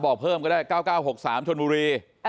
บอกเพิ่มก็ได้๙๙๖๓ชนบุรี